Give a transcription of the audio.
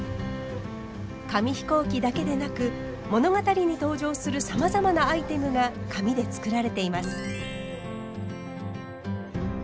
紙飛行機だけでなく物語に登場するさまざまなアイテムが紙で作られています。